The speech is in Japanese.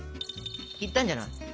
いったんじゃない？